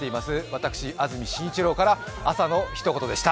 私、安住紳一郎から朝のひと言でした。